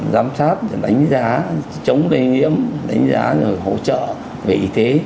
giám sát đánh giá chống đánh nhiễm đánh giá rồi hỗ trợ về y tế